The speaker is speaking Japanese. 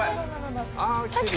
ああ来てる。